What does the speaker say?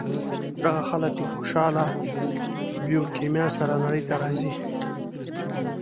هغه خلک له خوشاله بیوکیمیا سره نړۍ ته راځي.